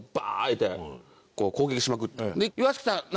いうて攻撃しまくって。